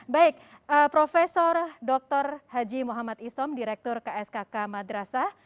baik prof dr haji muhammad isom direktur kskk madrasah